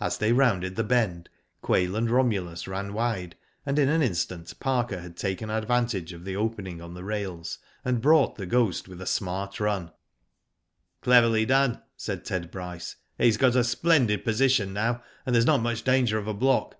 As they rounded the bend Quail and Romulus ran wide, and in an instant Parker had taken advantage of the opening on the rails, and brought The Ghost with a smart run. ''Cleverly done," said Ted Bryce. "He's got a splendid position now, and there's not much danger of a block."